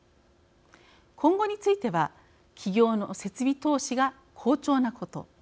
今後については企業の設備投資が好調なこと。